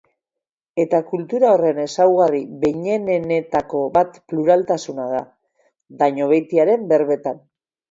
Eta kultura horren ezaugarri behinenetako bat pluraltasuna da, Dañobeitiaren berbetan.